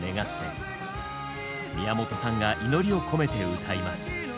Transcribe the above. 宮本さんが祈りを込めて歌います。